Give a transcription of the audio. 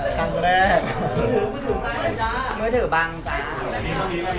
ครั้งแรกเลยบ้างเนี่ยมันผม